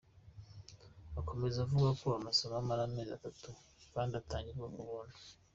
Akomeza avuga ko amasomo amara amezi atatu kandi atangirwa ku buntu.